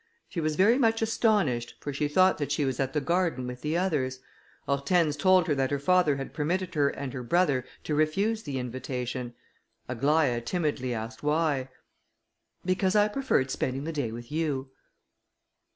She was very much astonished, for she thought that she was at the garden with the others. Hortense told her that her father had permitted her and her brother to refuse the invitation. Aglaïa timidly asked why. "Because I preferred spending the day with you."